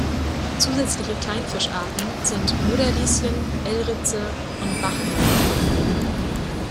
Zusätzliche Kleinfischarten sind Moderlieschen, Elritze und Bachneunauge.